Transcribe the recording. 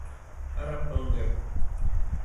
Araponga